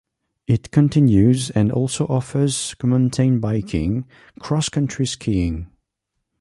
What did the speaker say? It constitutes and also offers mountain biking, cross-country skiing.